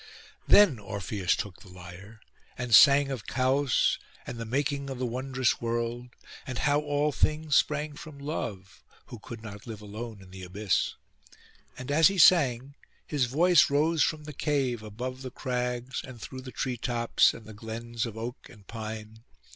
Then Orpheus took the lyre, and sang of Chaos, and the making of the wondrous World, and how all things sprang from Love, who could not live alone in the Abyss. And as he sang, his voice rose from the cave, above the crags, and through the tree tops, and the glens of oak and pine.